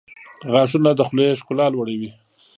• غاښونه د خولې ښکلا لوړوي.